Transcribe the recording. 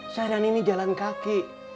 sekarang ini jalan kaki